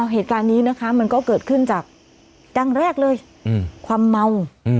เหตุการณ์นี้นะคะมันก็เกิดขึ้นจากดังแรกเลยความเมา